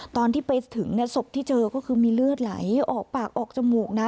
ตอนที่ไปถึงศพที่เจอก็คือมีเลือดไหลออกปากออกจมูกนะ